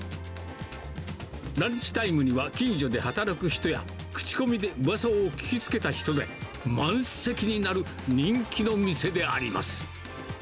ランチタイムには近所で働く人や、口コミでうわさを聞きつけた人で、満席になる人気の店であります。